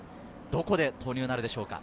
どこで投入となるでしょうか。